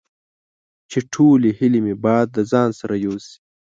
چې ټولې هیلې مې باد د ځان سره یوسي